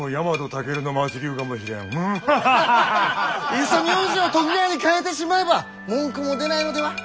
いっそ名字を得川に変えてしまえば文句も出ないのでは？